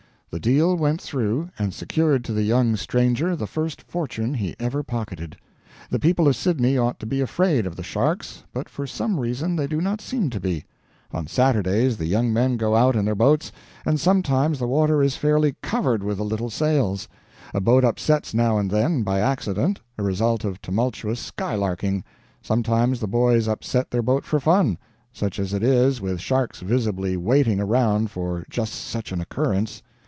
The deal went through, and secured to the young stranger the first fortune he ever pocketed. The people of Sydney ought to be afraid of the sharks, but for some reason they do not seem to be. On Saturdays the young men go out in their boats, and sometimes the water is fairly covered with the little sails. A boat upsets now and then, by accident, a result of tumultuous skylarking; sometimes the boys upset their boat for fun such as it is with sharks visibly waiting around for just such an occurrence.